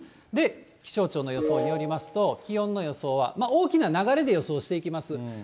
気象庁の予想によりますと、気温の予想は、大きな流れで予想していきます。